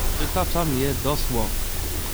"Przytaczam je dosłownie."